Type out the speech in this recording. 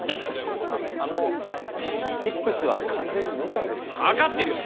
もうあのイップスは完全にメンタルですよ分かってるよ